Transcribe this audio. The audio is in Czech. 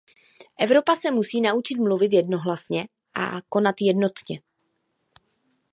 Evropa se musí naučit mluvit jednohlasně a konat jednotně.